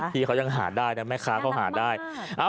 ที่เค้ายังหาได้นะแม่ซาเฎริลมาก